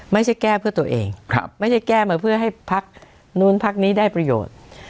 ไม่ใช่แก้เพื่อตัวเองไม่ใช่แก้มาเพื่อให้พักนู้นพักนี้ได้ประโยชน์